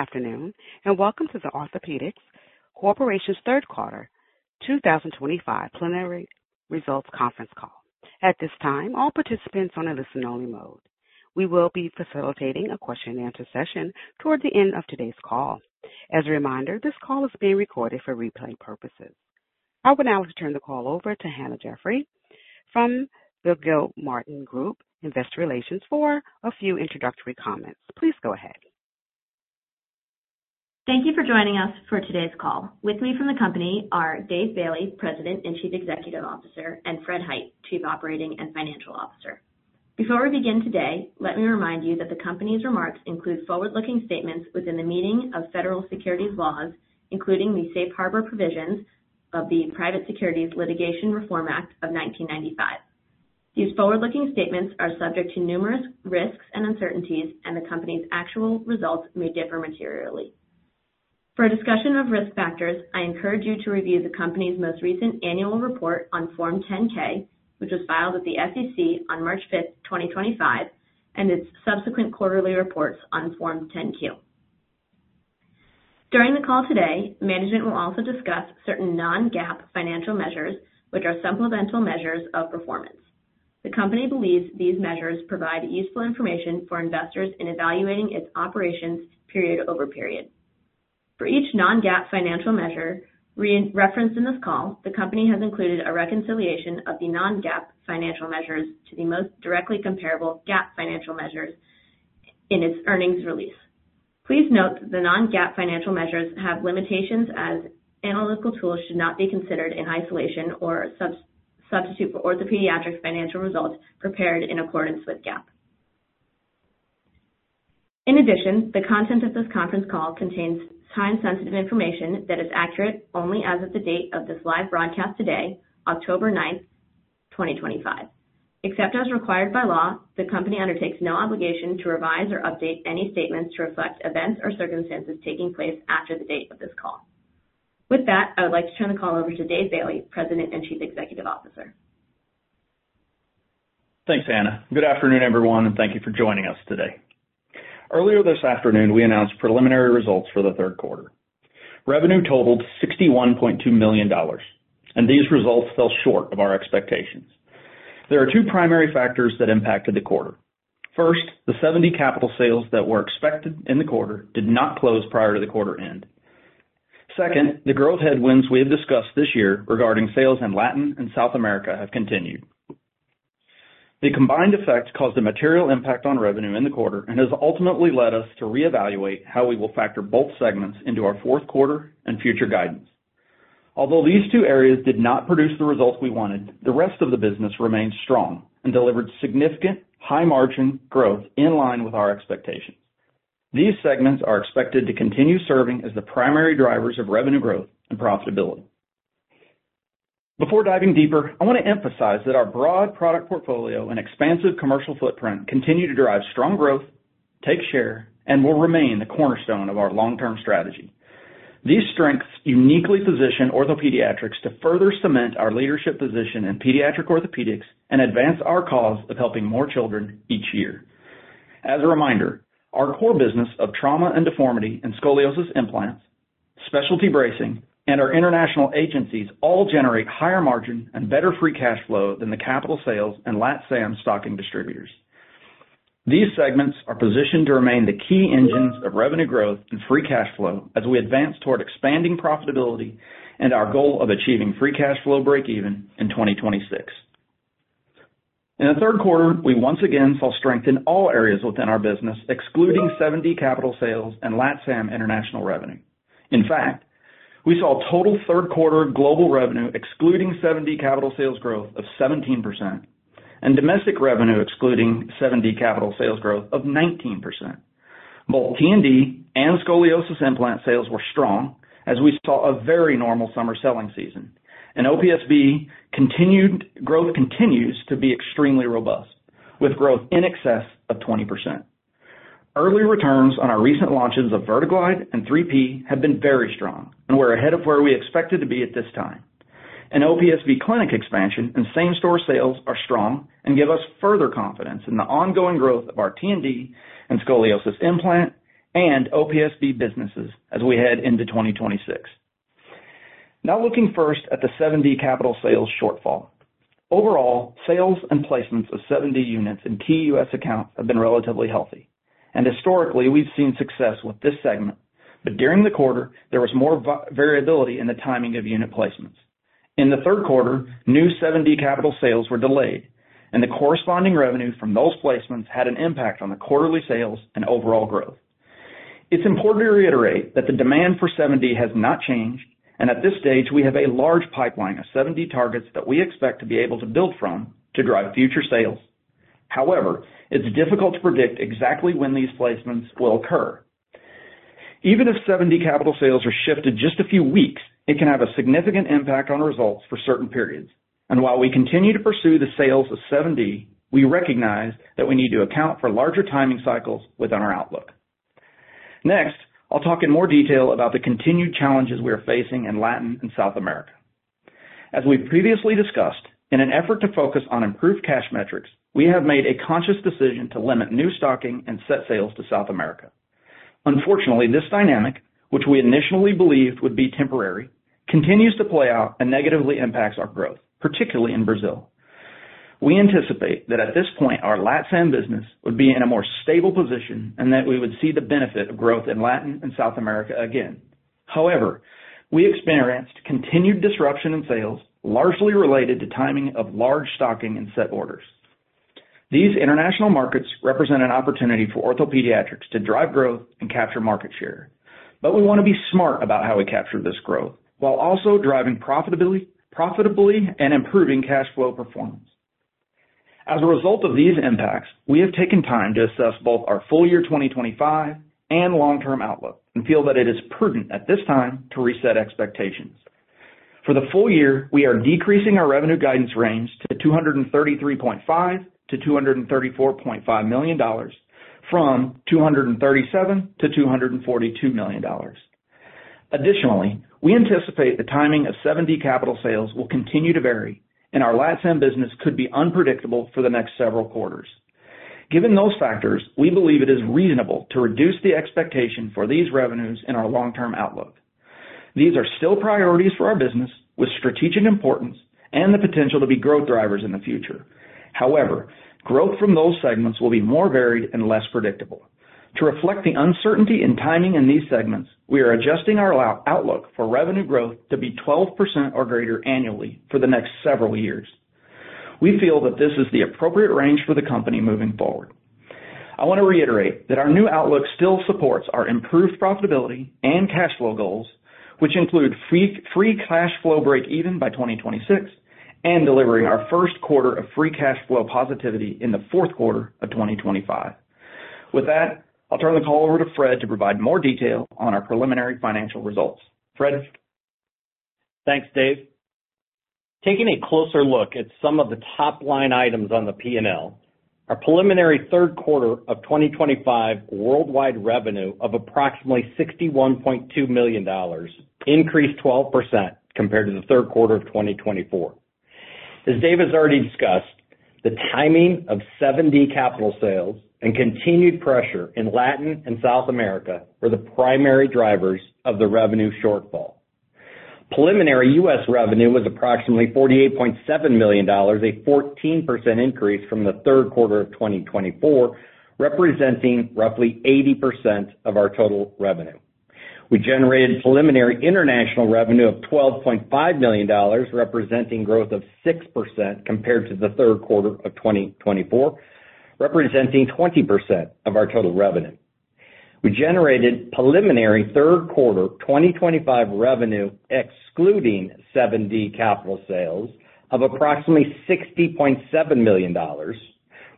Afternoon, and welcome to the OrthoPediatrics Corporations third quarter 2025 plenary results conference call. At this time, all participants are on a listen-only mode. We will be facilitating a question-and-answer session toward the end of today's call. As a reminder, this call is being recorded for replay purposes. I will now turn the call over to Hannah Jeffrey from the Gilmartin Group Investor Relations for a few introductory comments. Please go ahead. Thank you for joining us for today's call. With me from the company are Dave Bailey, President and Chief Executive Officer, and Fred Hite, Chief Operating and Financial Officer. Before we begin today, let me remind you that the company's remarks include forward-looking statements within the meaning of federal securities laws, including the safe harbor provisions of the Private Securities Litigation Reform Act of 1995. These forward-looking statements are subject to numerous risks and uncertainties, and the company's actual results may differ materially. For discussion of risk factors, I encourage you to review the company's most recent annual report on Form 10-K, which was filed at the SEC on March 5th, 2025, and its subsequent quarterly reports on Form 10-Q. During the call today, management will also discuss certain non-GAAP financial measures, which are supplemental measures of performance. The company believes these measures provide useful information for investors in evaluating its operations period over period. For each non-GAAP financial measure referenced in this call, the company has included a reconciliation of the non-GAAP financial measures to the most directly comparable GAAP financial measures in its earnings release. Please note that the non-GAAP financial measures have limitations as analytical tools should not be considered in isolation or substitute for OrthoPediatrics financial results prepared in accordance with GAAP. In addition, the content of this conference call contains time-sensitive information that is accurate only as of the date of this live broadcast today, October 9th, 2025. Except as required by law, the company undertakes no obligation to revise or update any statements to reflect events or circumstances taking place after the date of this call. With that, I would like to turn the call over to Dave Bailey, President and Chief Executive Officer. Thanks, Hannah. Good afternoon, everyone, and thank you for joining us today. Earlier this afternoon, we announced preliminary results for the third quarter. Revenue totaled $61.2 million, and these results fell short of our expectations. There are two primary factors that impacted the quarter. First, the 7D capital sales that were expected in the quarter did not close prior to the quarter end. Second, the growth headwinds we have discussed this year regarding sales in Latin and South America have continued. The combined effect caused a material impact on revenue in the quarter and has ultimately led us to reevaluate how we will factor both segments into our fourth quarter and future guidance. Although these two areas did not produce the results we wanted, the rest of the business remained strong and delivered significant high-margin growth in line with our expectations. These segments are expected to continue serving as the primary drivers of revenue growth and profitability. Before diving deeper, I want to emphasize that our broad product portfolio and expansive commercial footprint continue to drive strong growth, take share, and will remain the cornerstone of our long-term strategy. These strengths uniquely position OrthoPediatrics to further cement our leadership position in pediatric orthopedics and advance our cause of helping more children each year. As a reminder, our core business of trauma and deformity and scoliosis implants, specialty bracing, and our international agencies all generate higher margin and better free cash flow than the capital sales and LATAM stocking distributors. These segments are positioned to remain the key engines of revenue growth and free cash flow as we advance toward expanding profitability and our goal of achieving free cash flow break-even in 2026. In the third quarter, we once again saw strength in all areas within our business, excluding 7D capital sales and LATAM international revenue. In fact, we saw total third quarter global revenue, excluding 7D capital sales growth, of 17% and domestic revenue, excluding 7D capital sales growth, of 19%. Both T&D and scoliosis implant sales were strong as we saw a very normal summer selling season, and OPSB growth continues to be extremely robust, with growth in excess of 20%. Early returns on our recent launches of VerteGlide and 3P have been very strong and we're ahead of where we expected to be at this time. And OPSB clinic expansion and same-store sales are strong and give us further confidence in the ongoing growth of our T&D and scoliosis implant and OPSB businesses as we head into 2026. Now looking first at the 7D capital sales shortfall. Overall, sales and placements of 7D units in key U.S. accounts have been relatively healthy, and historically, we've seen success with this segment, but during the quarter, there was more variability in the timing of unit placements. In the third quarter, new 7D capital sales were delayed, and the corresponding revenue from those placements had an impact on the quarterly sales and overall growth. It's important to reiterate that the demand for 7D has not changed, and at this stage, we have a large pipeline of 7D targets that we expect to be able to build from to drive future sales. However, it's difficult to predict exactly when these placements will occur. Even if 7D capital sales are shifted just a few weeks, it can have a significant impact on results for certain periods. While we continue to pursue the sales of 7D, we recognize that we need to account for larger timing cycles within our outlook. Next, I'll talk in more detail about the continued challenges we are facing in Latin and South America. As we previously discussed, in an effort to focus on improved cash metrics, we have made a conscious decision to limit new stocking and set sales to South America. Unfortunately, this dynamic, which we initially believed would be temporary, continues to play out and negatively impacts our growth, particularly in Brazil. We anticipate that at this point, our LATAM business would be in a more stable position and that we would see the benefit of growth in Latin and South America again. However, we experienced continued disruption in sales, largely related to timing of large stocking and set orders. These international markets represent an opportunity for OrthoPediatrics to drive growth and capture market share, but we want to be smart about how we capture this growth while also driving profitably and improving cash flow performance. As a result of these impacts, we have taken time to assess both our full year 2025 and long-term outlook and feel that it is prudent at this time to reset expectations. For the full year, we are decreasing our revenue guidance range to $233.5 million-$234.5 million from $237 million-$242 million. Additionally, we anticipate the timing of 7D capital sales will continue to vary, and our LATAM business could be unpredictable for the next several quarters. Given those factors, we believe it is reasonable to reduce the expectation for these revenues in our long-term outlook. These are still priorities for our business with strategic importance and the potential to be growth drivers in the future. However, growth from those segments will be more varied and less predictable. To reflect the uncertainty in timing in these segments, we are adjusting our outlook for revenue growth to be 12% or greater annually for the next several years. We feel that this is the appropriate range for the company moving forward. I want to reiterate that our new outlook still supports our improved profitability and cash flow goals, which include free cash flow break-even by 2026 and delivering our first quarter of free cash flow positivity in the fourth quarter of 2025. With that, I'll turn the call over to Fred to provide more detail on our preliminary financial results. Fred. Thanks, Dave. Taking a closer look at some of the top line items on the P&L, our preliminary third quarter of 2025 worldwide revenue of approximately $61.2 million increased 12% compared to the third quarter of 2024. As Dave has already discussed, the timing of 7D capital sales and continued pressure in Latin and South America were the primary drivers of the revenue shortfall. Preliminary U.S. revenue was approximately $48.7 million, a 14% increase from the third quarter of 2024, representing roughly 80% of our total revenue. We generated preliminary international revenue of $12.5 million, representing growth of 6% compared to the third quarter of 2024, representing 20% of our total revenue. We generated preliminary third quarter 2025 revenue, excluding 7D capital sales, of approximately $60.7 million,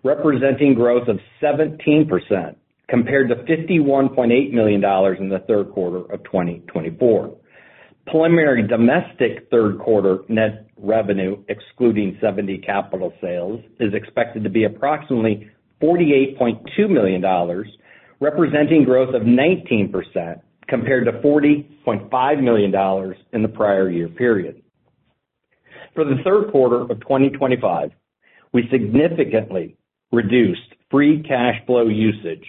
representing growth of 17% compared to $51.8 million in the third quarter of 2024. Preliminary domestic third quarter net revenue, excluding 7D capital sales, is expected to be approximately $48.2 million, representing growth of 19% compared to $40.5 million in the prior year period. For the third quarter of 2025, we significantly reduced free cash flow usage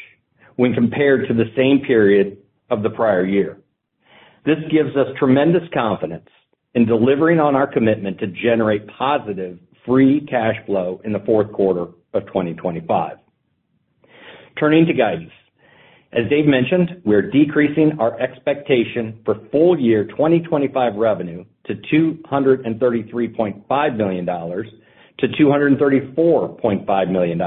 when compared to the same period of the prior year. This gives us tremendous confidence in delivering on our commitment to generate positive free cash flow in the fourth quarter of 2025. Turning to guidance, as Dave mentioned, we are decreasing our expectation for full year 2025 revenue to $233.5 million-$234.5 million,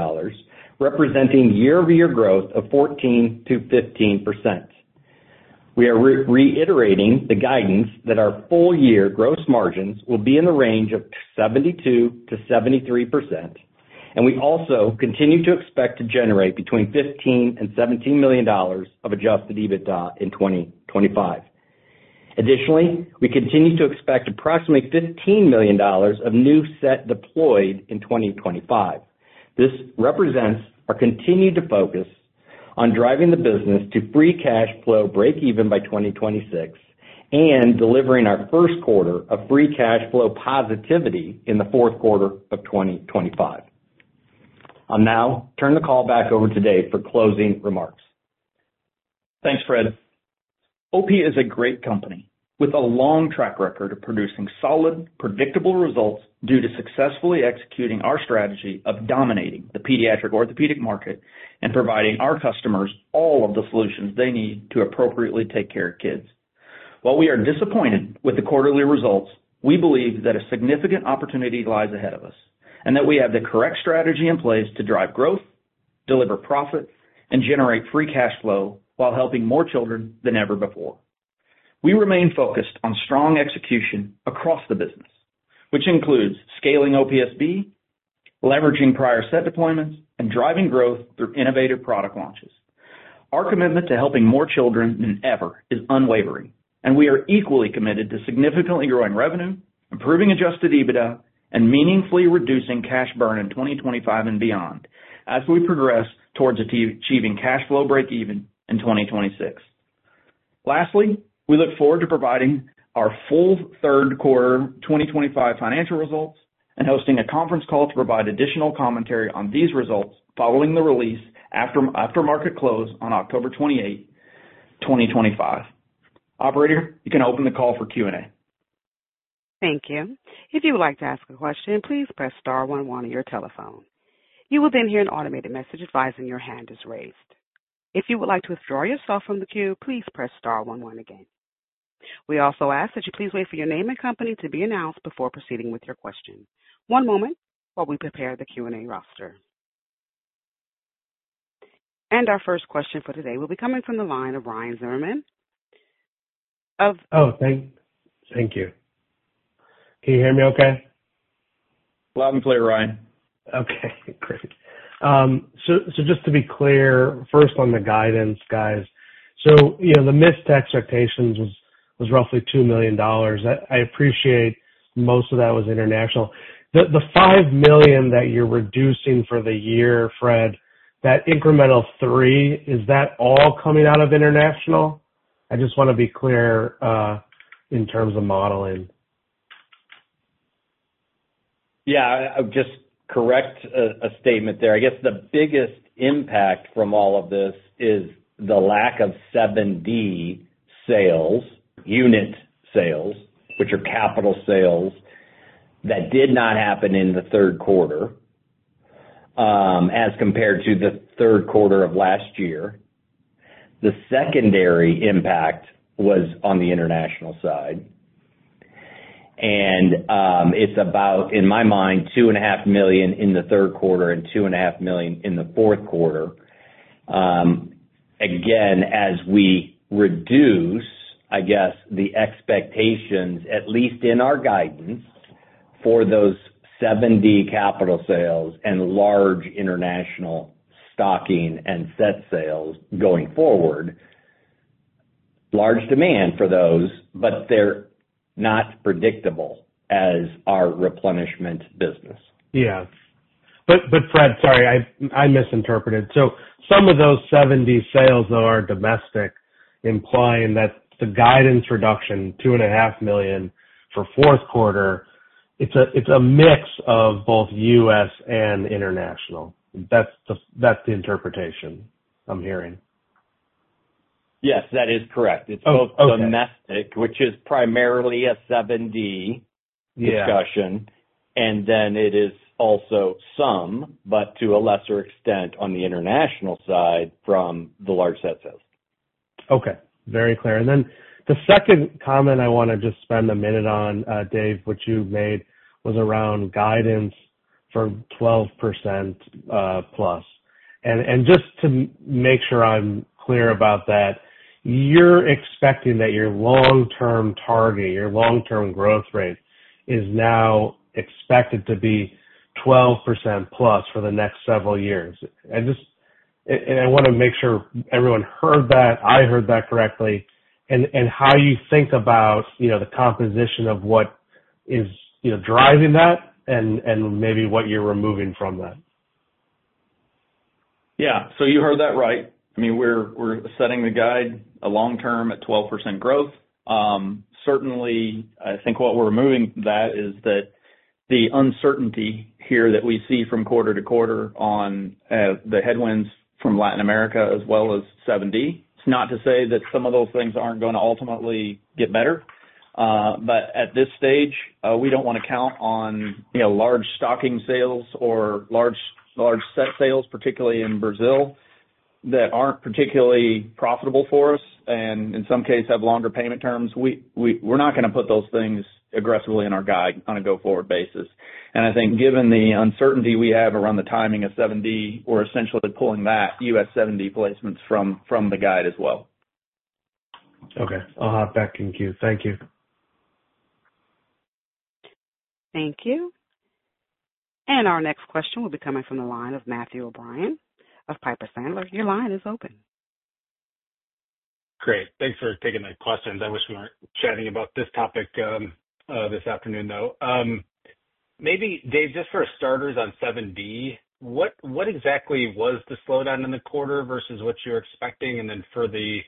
representing year-over-year growth of 14%-15%. We are reiterating the guidance that our full year gross margins will be in the range of 72%-73%, and we also continue to expect to generate between $15 million and $17 million of Adjusted EBITDA in 2025. Additionally, we continue to expect approximately $15 million of new set deployed in 2025. This represents our continued focus on driving the business to free cash flow break-even by 2026 and delivering our first quarter of free cash flow positivity in the fourth quarter of 2025. I'll now turn the call back over to Dave for closing remarks. Thanks, Fred. OP is a great company with a long track record of producing solid, predictable results due to successfully executing our strategy of dominating the pediatric orthopedic market and providing our customers all of the solutions they need to appropriately take care of kids. While we are disappointed with the quarterly results, we believe that a significant opportunity lies ahead of us and that we have the correct strategy in place to drive growth, deliver profit, and generate free cash flow while helping more children than ever before. We remain focused on strong execution across the business, which includes scaling OPSB, leveraging prior set deployments, and driving growth through innovative product launches. Our commitment to helping more children than ever is unwavering, and we are equally committed to significantly growing revenue, improving Adjusted EBITDA, and meaningfully reducing cash burn in 2025 and beyond as we progress towards achieving cash flow break-even in 2026. Lastly, we look forward to providing our full third quarter 2025 financial results and hosting a conference call to provide additional commentary on these results following the release after market close on October 28, 2025. Operator, you can open the call for Q&A. Thank you. If you would like to ask a question, please press star one one on your telephone. You will then hear an automated message advising your hand is raised. If you would like to withdraw yourself from the queue, please press star one one again. We also ask that you please wait for your name and company to be announced before proceeding with your question. One moment while we prepare the Q&A roster. And our first question for today will be coming from the line of Ryan Zimmerman. Oh, thank you. Can you hear me okay? Loud and clear, Ryan. Okay, great. So just to be clear, first on the guidance, guys, so the missed expectations was roughly $2 million. I appreciate most of that was international. The $5 million that you're reducing for the year, Fred, that incremental three, is that all coming out of international? I just want to be clear in terms of modeling. Yeah, I'll just correct a statement there. I guess the biggest impact from all of this is the lack of 7D sales, unit sales, which are capital sales, that did not happen in the third quarter as compared to the third quarter of last year. The secondary impact was on the international side, and it's about, in my mind, $2.5 million in the third quarter and $2.5 million in the fourth quarter. Again, as we reduce, I guess, the expectations, at least in our guidance, for those 7D capital sales and large international stocking and set sales going forward, large demand for those, but they're not predictable as our replenishment business. Yeah. But, Fred, sorry, I misinterpreted. So some of those 7D sales that are domestic, implying that the guidance reduction, $2.5 million for fourth quarter, it's a mix of both U.S. and international. That's the interpretation I'm hearing. Yes, that is correct. It's both domestic, which is primarily a 7D discussion, and then it is also some, but to a lesser extent on the international side from the large set sales. Okay. Very clear, and then the second comment I want to just spend a minute on, Dave, which you made, was around guidance for 12%+, and just to make sure I'm clear about that, you're expecting that your long-term target, your long-term growth rate is now expected to be 12% plus for the next several years, and I want to make sure everyone heard that, I heard that correctly, and how you think about the composition of what is driving that and maybe what you're removing from that. Yeah. So you heard that right. I mean, we're setting the guide long-term at 12% growth. Certainly, I think what we're removing from that is that the uncertainty here that we see from quarter to quarter on the headwinds from Latin America as well as 7D. It's not to say that some of those things aren't going to ultimately get better, but at this stage, we don't want to count on large stocking sales or large set sales, particularly in Brazil, that aren't particularly profitable for us and in some cases have longer payment terms. We're not going to put those things aggressively in our guide on a go-forward basis. And I think given the uncertainty we have around the timing of 7D, we're essentially pulling that U.S. 7D placements from the guide as well. Okay. I'll hop back in queue. Thank you. Thank you. And our next question will be coming from the line of Matthew O'Brien of Piper Sandler. Your line is open. Great. Thanks for taking the questions. I wish we weren't chatting about this topic this afternoon, though. Maybe, Dave, just for starters on 7D, what exactly was the slowdown in the quarter versus what you're expecting? And then for the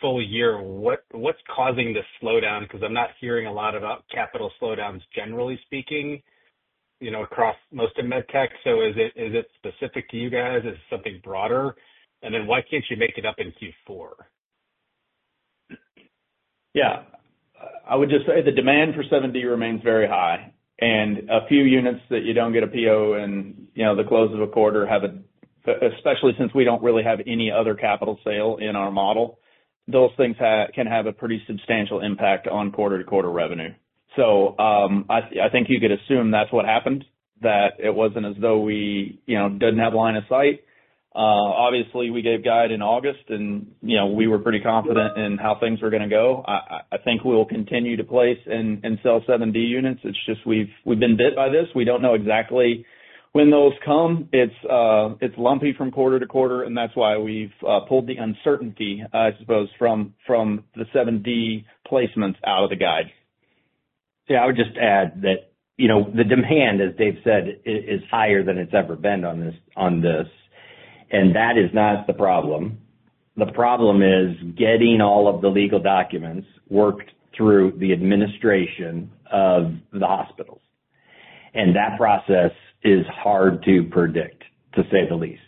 full year, what's causing the slowdown? Because I'm not hearing a lot about capital slowdowns, generally speaking, across most of med tech. So is it specific to you guys? Is it something broader? And then why can't you make it up in Q4? Yeah. I would just say the demand for 7D remains very high. And a few units that you don't get a PO in the close of a quarter, especially since we don't really have any other capital sale in our model, those things can have a pretty substantial impact on quarter-to-quarter revenue. So I think you could assume that's what happened, that it wasn't as though we didn't have line of sight. Obviously, we gave guide in August, and we were pretty confident in how things were going to go. I think we'll continue to place and sell 7D units. It's just we've been bit by this. We don't know exactly when those come. It's lumpy from quarter to quarter, and that's why we've pulled the uncertainty, I suppose, from the 7D placements out of the guide. Yeah. I would just add that the demand, as Dave said, is higher than it's ever been on this. And that is not the problem. The problem is getting all of the legal documents worked through the administration of the hospitals. And that process is hard to predict, to say the least.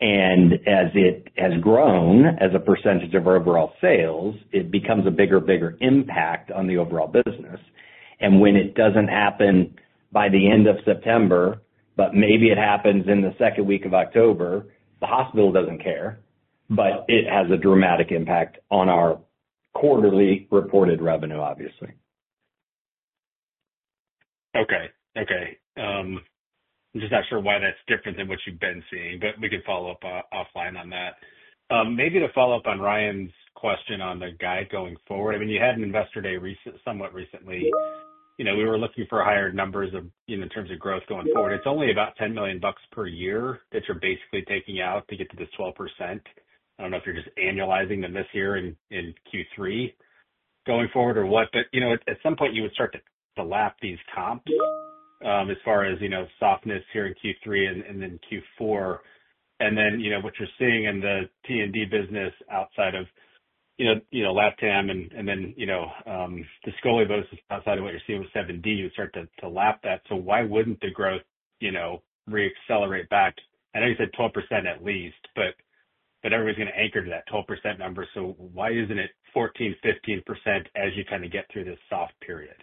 And as it has grown as a percentage of our overall sales, it becomes a bigger and bigger impact on the overall business. And when it doesn't happen by the end of September, but maybe it happens in the second week of October, the hospital doesn't care, but it has a dramatic impact on our quarterly reported revenue, obviously. Okay. Okay. I'm just not sure why that's different than what you've been seeing, but we could follow up offline on that. Maybe to follow up on Ryan's question on the guide going forward, I mean, you had an investor day somewhat recently. We were looking for higher numbers in terms of growth going forward. It's only about $10 million per year that you're basically taking out to get to this 12%. I don't know if you're just annualizing them this year in Q3 going forward or what, but at some point, you would start to lap these comps as far as softness here in Q3 and then Q4. And then what you're seeing in the T&D business outside of LATAM and then the scoliosis outside of what you're seeing with 7D, you would start to lap that. So why wouldn't the growth re-accelerate back? I know you said 12% at least, but everybody's going to anchor to that 12% number. So why isn't it 14%, 15% as you kind of get through this soft period?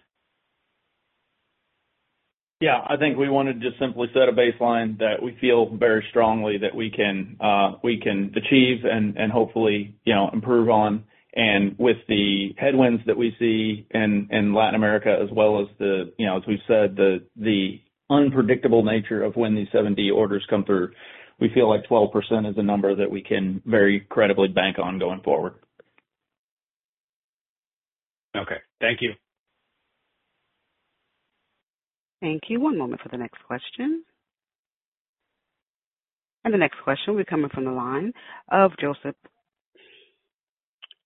Yeah. I think we wanted to just simply set a baseline that we feel very strongly that we can achieve and hopefully improve on. And with the headwinds that we see in Latin America, as well as the, as we've said, the unpredictable nature of when these 7D orders come through, we feel like 12% is a number that we can very credibly bank on going forward. Okay. Thank you. Thank you. One moment for the next question. And the next question will be coming from the line of Joseph.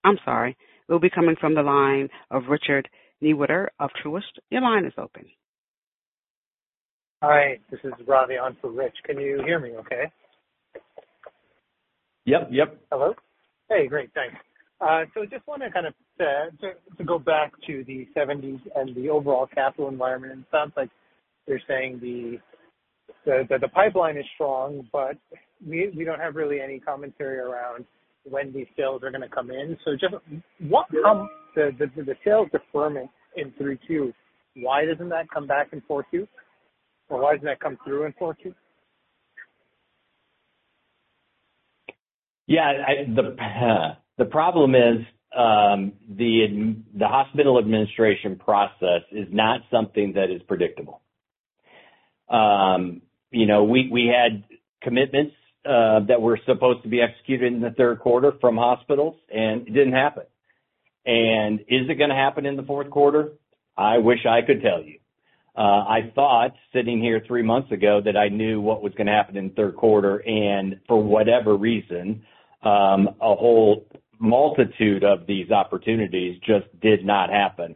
I'm sorry. It will be coming from the line of Richard Newitter of Truist. Your line is open. Hi. This is Ravi on for Rich. Can you hear me okay? Yep. Yep. Hello? Hey. Great. Thanks. So I just want to kind of go back to the 7Ds and the overall capital environment. It sounds like you're saying that the pipeline is strong, but we don't have really any commentary around when these sales are going to come in. So just the sales deferment in Q3, why doesn't that come back in Q4? Or why doesn't that come through in Q4? Yeah. The problem is the hospital administration process is not something that is predictable. We had commitments that were supposed to be executed in the third quarter from hospitals, and it didn't happen. And is it going to happen in the fourth quarter? I wish I could tell you. I thought sitting here three months ago that I knew what was going to happen in the third quarter, and for whatever reason, a whole multitude of these opportunities just did not happen.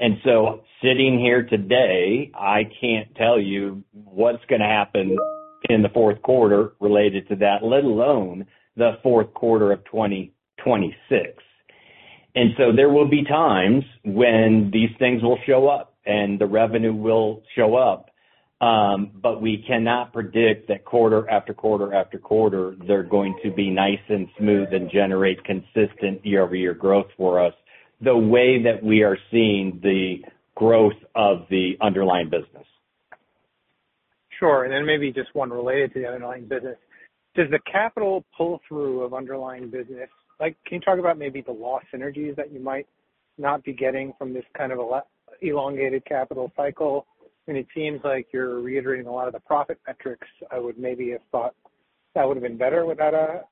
And so sitting here today, I can't tell you what's going to happen in the fourth quarter related to that, let alone the fourth quarter of 2026. And so there will be times when these things will show up and the revenue will show up, but we cannot predict that quarter after quarter after quarter, they're going to be nice and smooth and generate consistent year-over-year growth for us the way that we are seeing the growth of the underlying business. Sure, and then maybe just one related to the underlying business. Does the capital pull through of underlying business? Can you talk about maybe the lost synergies that you might not be getting from this kind of elongated capital cycle? I mean, it seems like you're reiterating a lot of the profit metrics. I would maybe have thought that would have been better without a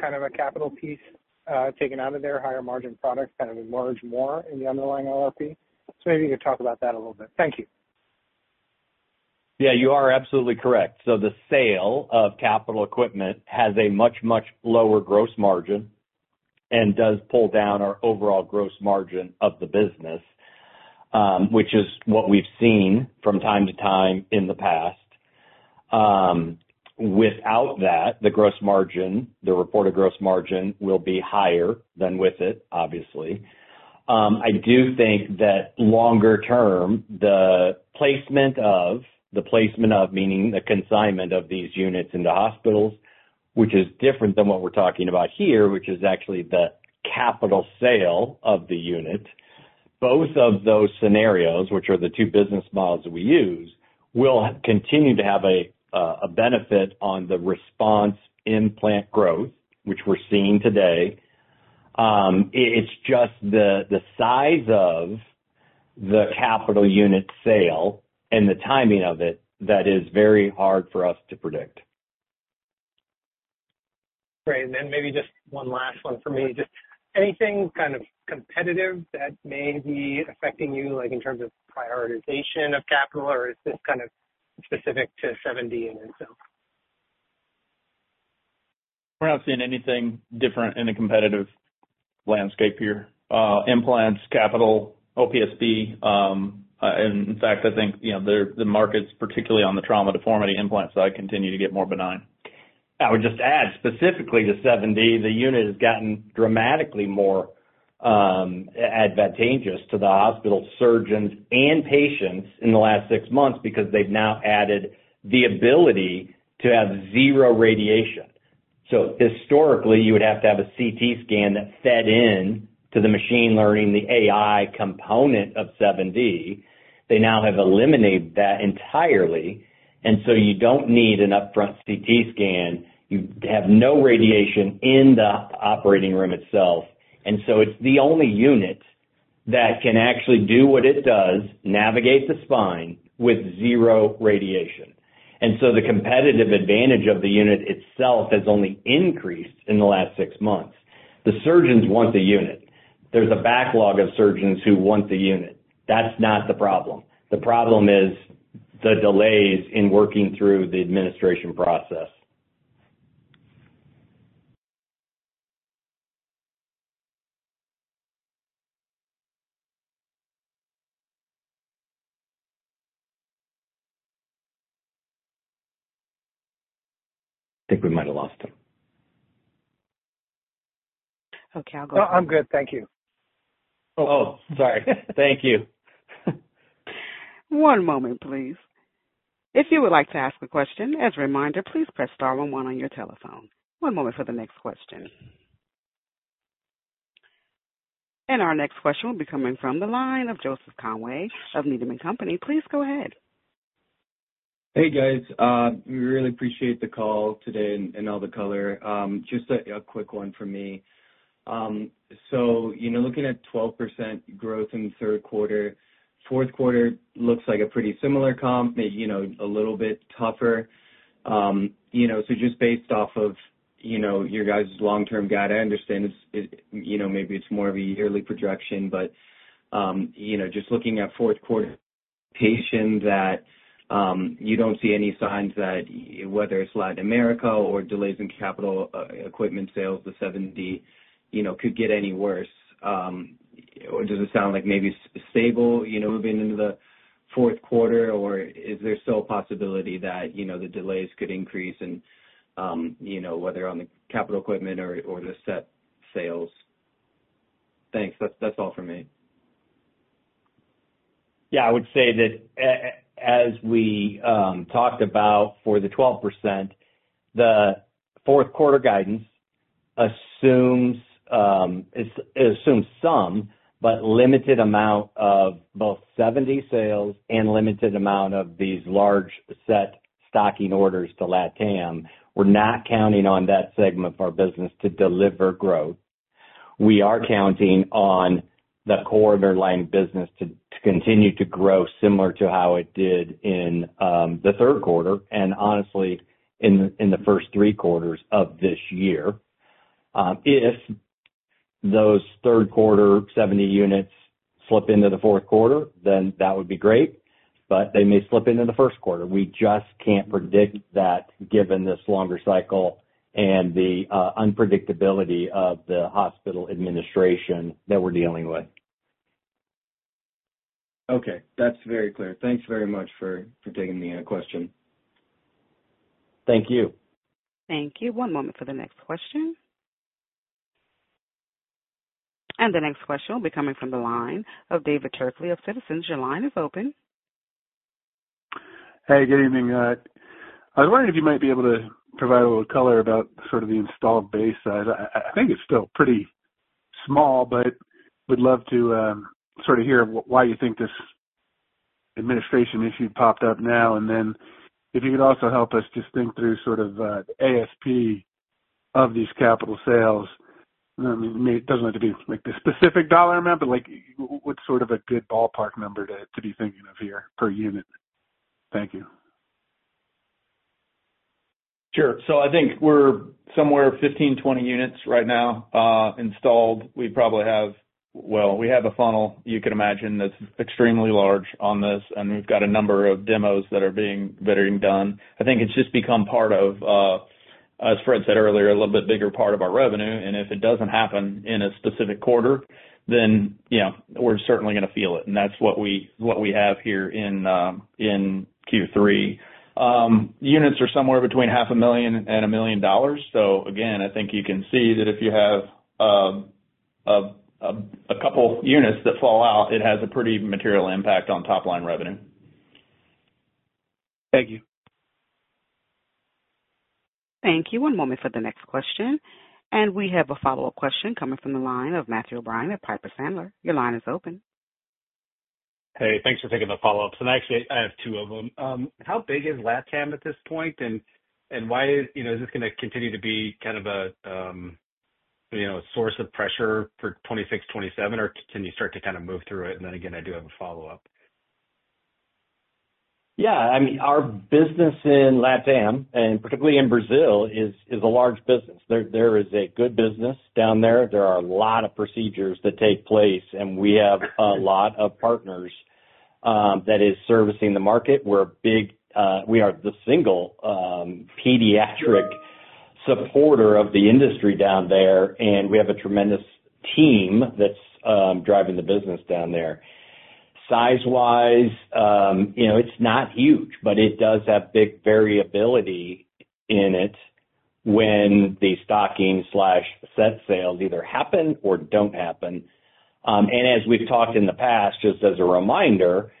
kind of a capital piece taken out of there, higher margin products kind of emerge more in the underlying LRP, so maybe you could talk about that a little bit. Thank you. Yeah. You are absolutely correct. So the sale of capital equipment has a much, much lower gross margin and does pull down our overall gross margin of the business, which is what we've seen from time to time in the past. Without that, the reported gross margin will be higher than with it, obviously. I do think that longer term, the placement of, meaning the consignment of these units into hospitals, which is different than what we're talking about here, which is actually the capital sale of the unit, both of those scenarios, which are the two business models that we use, will continue to have a benefit on the RESPONSE implant growth, which we're seeing today. It's just the size of the capital unit sale and the timing of it that is very hard for us to predict. Great. And then maybe just one last one for me. Just anything kind of competitive that may be affecting you in terms of prioritization of capital, or is this kind of specific to 7D and so? We're not seeing anything different in the competitive landscape here. Implants, capital, OPSB. In fact, I think the markets, particularly on the trauma deformity implant side, continue to get more benign. I would just add specifically to 7D, the unit has gotten dramatically more advantageous to the hospital surgeons and patients in the last six months because they've now added the ability to have zero radiation. So historically, you would have to have a CT scan that fed into the machine learning, the AI component of 7D. They now have eliminated that entirely. And so you don't need an upfront CT scan. You have no radiation in the operating room itself. And so it's the only unit that can actually do what it does, navigate the spine with zero radiation. And so the competitive advantage of the unit itself has only increased in the last six months. The surgeons want the unit. There's a backlog of surgeons who want the unit. That's not the problem. The problem is the delays in working through the administration process. I think we might have lost him. Okay. I'll go ahead. No, I'm good. Thank you. Oh, sorry. Thank you. One moment, please. If you would like to ask a question, as a reminder, please press star 11 on your telephone. One moment for the next question. And our next question will be coming from the line of Joseph Conway of Needham & Company. Please go ahead. Hey, guys. We really appreciate the call today and all the color. Just a quick one from me. So looking at 12% growth in the third quarter, fourth quarter looks like a pretty similar comp, maybe a little bit tougher. So just based off of your guys' long-term guide, I understand maybe it's more of a yearly projection, but just looking at fourth quarter patterns, you don't see any signs that whether it's Latin America or delays in capital equipment sales, the 7D could get any worse. Or does it sound like maybe stable moving into the fourth quarter, or is there still a possibility that the delays could increase in whether on the capital equipment or the set sales? Thanks. That's all for me. Yeah. I would say that as we talked about for the 12%, the fourth quarter guidance assumes some, but limited amount of both 7D sales and limited amount of these large set stocking orders to LATAM. We're not counting on that segment of our business to deliver growth. We are counting on the core-line business to continue to grow similar to how it did in the third quarter and honestly in the first three quarters of this year. If those third-quarter 7D units slip into the fourth quarter, then that would be great, but they may slip into the first quarter. We just can't predict that given this longer cycle and the unpredictability of the hospital administration that we're dealing with. Okay. That's very clear. Thanks very much for taking the question. Thank you. Thank you. One moment for the next question. And the next question will be coming from the line of David Turkaly of Citizens. Your line is open. Hey. Good evening. I was wondering if you might be able to provide a little color about sort of the installed base side. I think it's still pretty small, but would love to sort of hear why you think this administration issue popped up now. And then if you could also help us just think through sort of the ASP of these capital sales. I mean, it doesn't have to be the specific dollar amount, but what's sort of a good ballpark number to be thinking of here per unit? Thank you. Sure. So I think we're somewhere 15-20 units right now installed. We probably have, well, we have a funnel, you can imagine, that's extremely large on this. And we've got a number of demos that are being done. I think it's just become part of, as Fred said earlier, a little bit bigger part of our revenue. And if it doesn't happen in a specific quarter, then we're certainly going to feel it. And that's what we have here in Q3. Units are somewhere between $500,000 and $1 million. So again, I think you can see that if you have a couple of units that fall out, it has a pretty material impact on top-line revenue. Thank you. Thank you. One moment for the next question. And we have a follow-up question coming from the line of Matthew O'Brien at Piper Sandler. Your line is open. Hey. Thanks for taking the follow-ups. And actually, I have two of them. How big is LATAM at this point? And is this going to continue to be kind of a source of pressure for 2026, 2027, or can you start to kind of move through it? And then again, I do have a follow-up. Yeah. I mean, our business in LATAM, and particularly in Brazil, is a large business. There is a good business down there. There are a lot of procedures that take place, and we have a lot of partners that are servicing the market. We are the single pediatric supporter of the industry down there, and we have a tremendous team that's driving the business down there. Size-wise, it's not huge, but it does have big variability in it when the stocking/set sales either happen or don't happen. And as we've talked in the past, just as a reminder,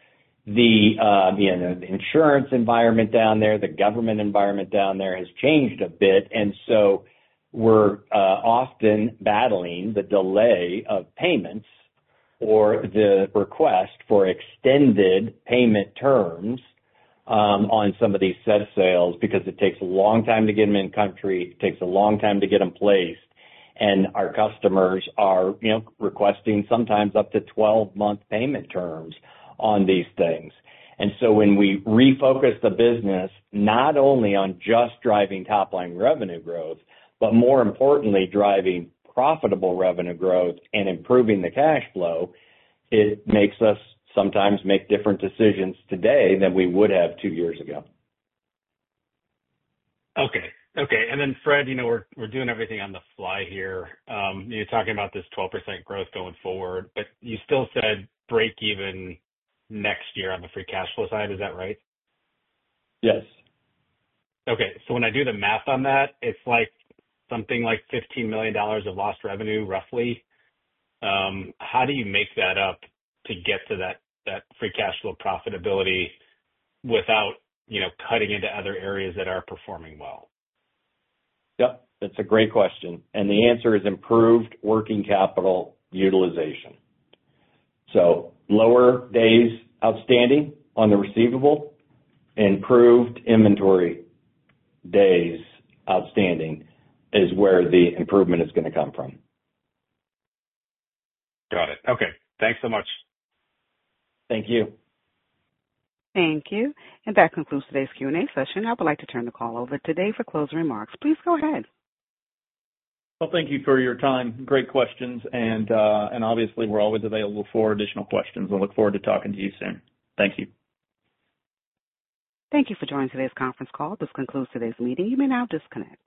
the insurance environment down there, the government environment down there has changed a bit. And so we're often battling the delay of payments or the request for extended payment terms on some of these set sales because it takes a long time to get them in country, takes a long time to get them placed. And our customers are requesting sometimes up to 12-month payment terms on these things. And so when we refocus the business not only on just driving top-line revenue growth, but more importantly, driving profitable revenue growth and improving the cash flow, it makes us sometimes make different decisions today than we would have two years ago. And then, Fred, we're doing everything on the fly here. You're talking about this 12% growth going forward, but you still said break-even next year on the free cash flow side. Is that right? Yes. Okay, so when I do the math on that, it's something like $15 million of lost revenue, roughly. How do you make that up to get to that free cash flow profitability without cutting into other areas that are performing well? Yep. That's a great question. And the answer is improved working capital utilization. So lower days outstanding on the receivable, improved inventory days outstanding is where the improvement is going to come from. Got it. Okay. Thanks so much. Thank you. Thank you. And that concludes today's Q&A session. I would like to turn the call over to Dave for closing remarks. Please go ahead. Thank you for your time. Great questions. Obviously, we're always available for additional questions. I look forward to talking to you soon. Thank you. Thank you for joining today's conference call. This concludes today's meeting. You may now disconnect.